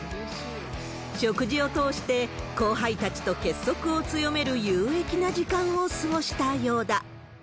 食事を通して、後輩たちと結束を強める有益な時間を過ごしたようだ。